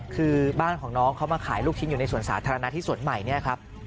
คือบ้านของน้องเขามาขายลูกชิ้นอยู่ในสวนสาธารณะที่สวนใหม่เนี่ยครับ